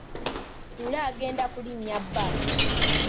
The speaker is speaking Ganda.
Lule agenda kulinnya bbaasi.